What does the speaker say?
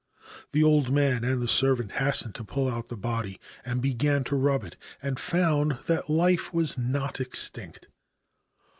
The old man and the servant hastened to pull out the body and began to rub it, and found that life was not extinct.